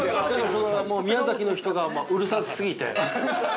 ◆それは、もう宮崎の人がうるさすぎて！？